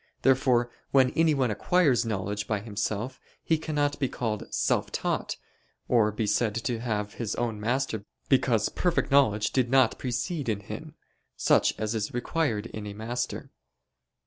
Therefore when anyone acquires knowledge by himself, he cannot be called self taught, or be said to have his own master because perfect knowledge did not precede in him, such as is required in a master.